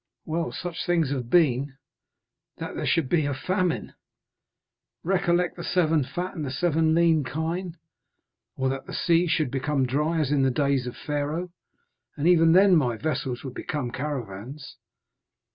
"Well, such things have been." "That there should be a famine!" "Recollect the seven fat and the seven lean kine." "Or, that the sea should become dry, as in the days of Pharaoh, and even then my vessels would become caravans."